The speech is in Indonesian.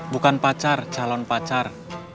bukan pacar calon pacar